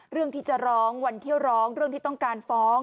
เรื่องที่จะร้องวันที่ร้องเรื่องที่ต้องการฟ้อง